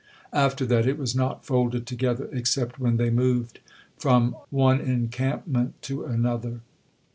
After that it was not folded together except when they moved from on encampment to another.